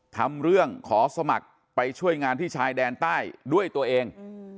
ทำเรื่องขอสมัครไปช่วยงานที่ชายแดนใต้ด้วยตัวเอง